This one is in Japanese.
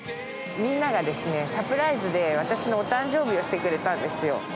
みんながサプライズで、私のお誕生日をしてくれたんですよ。